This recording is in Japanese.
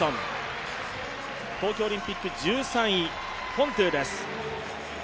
東京オリンピック１３位フォントゥです。